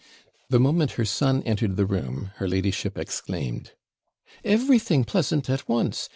The moment her son entered the room, her ladyship exclaimed 'Everything pleasant at once!